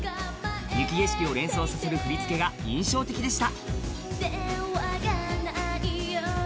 雪景色を連想させる振り付けが印象的でした。